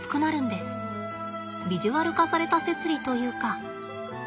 ビジュアル化された摂理というか。